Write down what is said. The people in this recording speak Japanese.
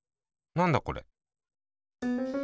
なんだこれ。